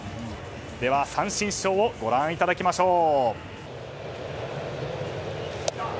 では、三振ショーをご覧いただきましょう。